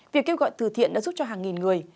việc kêu gọi từ thiện đã giúp cho hàng nghìn người